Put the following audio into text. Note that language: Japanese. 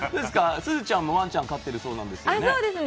すずちゃんもワンちゃんを飼ってるそうですね。